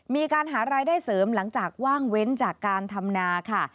มีการหารายได้เสริมหลังจากว่างเว้นจากการทำนาค่ะ